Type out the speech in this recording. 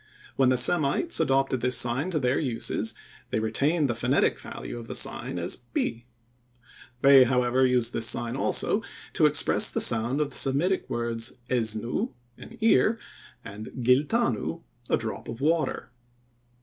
When the Semites adopted this sign to their uses they retained the phonetic value of the sign as pi. They, however, used this sign also to express the sound of the Semitic words, "eznu," an ear, and "giltanu," a drop of water.